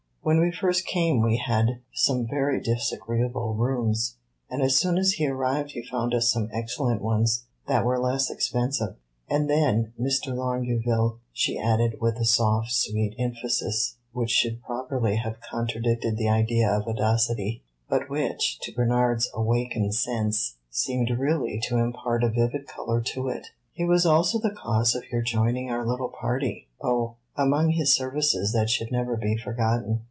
When we first came we had some very disagreeable rooms, and as soon as he arrived he found us some excellent ones that were less expensive. And then, Mr. Longueville," she added, with a soft, sweet emphasis which should properly have contradicted the idea of audacity, but which, to Bernard's awakened sense, seemed really to impart a vivid color to it, "he was also the cause of your joining our little party." "Oh, among his services that should never be forgotten.